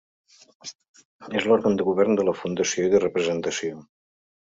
És l'òrgan de govern de la fundació i de representació.